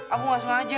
aku nggak sengaja